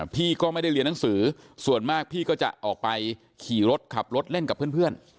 พี่ก็ไม่ได้เรียนหนังสือส่วนมากพี่ก็จะออกไปขี่รถขับรถเล่นกับเพื่อน